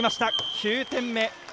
９点目。